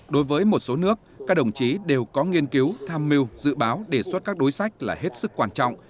đối với một số nước các đồng chí đều có nghiên cứu tham mưu dự báo đề xuất các đối sách là hết sức quan trọng